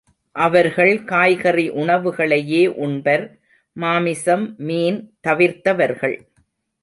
அவர்கள் காய்கறி உணவுகளையே உண்பர் மாமிசம் மீன் தவிர்த்தவர்கள்.